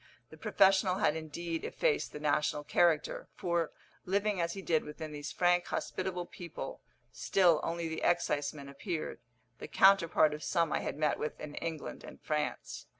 The professional had indeed effaced the national character, for, living as he did within these frank hospitable people, still only the exciseman appeared, the counterpart of some I had met with in England and France.